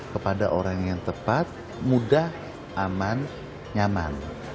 kepada orang yang tepat mudah aman nyaman